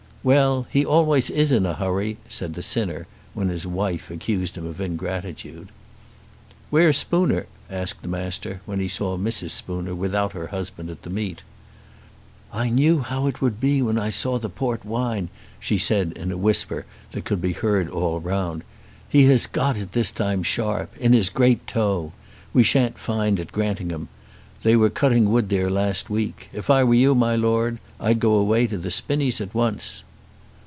"Well; he always is in a hurry," said the sinner, when his wife accused him of ingratitude. "Where's Spooner?" asked the Master when he saw Mrs. Spooner without her husband at the meet. "I knew how it would be when I saw the port wine," she said in a whisper that could be heard all round. "He has got it this time sharp, in his great toe. We shan't find at Grantingham. They were cutting wood there last week. If I were you, my Lord, I'd go away to the Spinnies at once."